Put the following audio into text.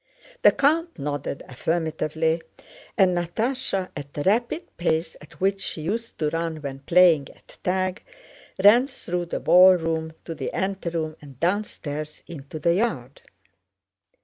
The count nodded affirmatively, and Natásha, at the rapid pace at which she used to run when playing at tag, ran through the ballroom to the anteroom and downstairs into the yard.